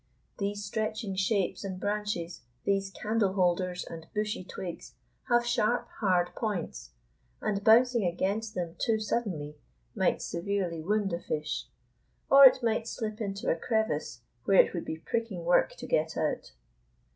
These stretching shapes and branches, these candle holders and bushy twigs have sharp, hard points, and bouncing against them too suddenly might severely wound a fish, or it might slip into a crevice where it would be pricking work to get out.